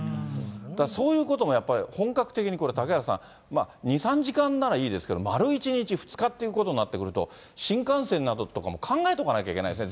そういうこともやっぱり、本格的に嵩原さん、２、３時間ならいいですけど、丸１日、２日っていうことになってくると、新幹線などとかも考えとかなきゃいけないですね。